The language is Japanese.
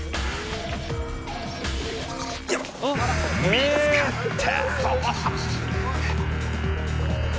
見つかった。